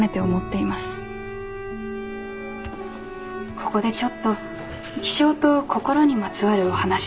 「ここでちょっと気象と心にまつわるお話です」。